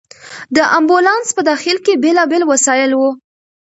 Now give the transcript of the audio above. د امبولانس په داخل کې بېلابېل وسایل وو.